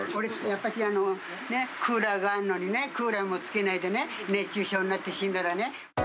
やっぱし、クーラーがあるのにね、クーラーもつけないでね、熱中症になって死んだらね。